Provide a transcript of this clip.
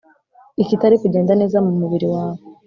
ikitari kugenda neza mumubiri wawe